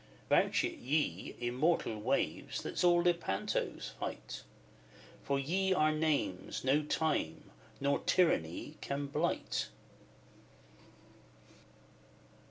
Vouch it, ye Immortal waves that saw Lepanto's fight! For ye are names no time nor tyranny can blight.